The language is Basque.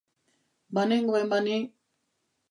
Banengoen ba ni!